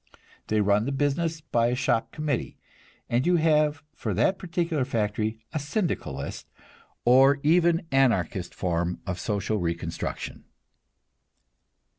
They run the business by a shop committee, and you have for that particular factory a Syndicalist, or even Anarchist form of social reconstruction.